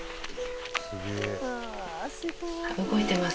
動いてます